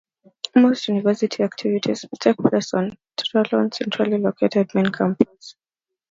Most university activities take place on Tarleton's centrally located, main campus.